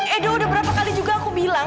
edo udah berapa kali juga aku bilang